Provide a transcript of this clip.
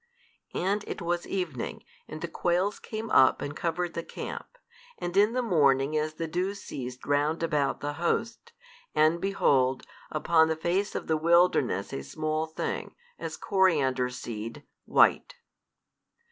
And it was evening and the quails came up and covered the camp, and in the morning as the dew ceased round about the host, and behold, upon the face of the wilderness a small thing, as coriander seed, white.